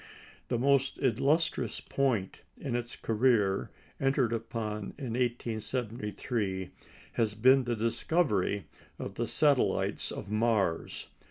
The most illustrious point in its career, entered upon in 1873, has been the discovery of the satellites of Mars.